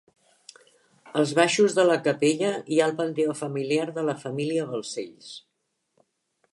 Als baixos de la capella hi ha el panteó familiar de la família Balcells.